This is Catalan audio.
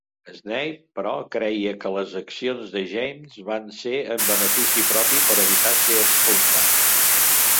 Snape, però, creia que les accions de James van ser en benefici propi per evitar ser expulsat.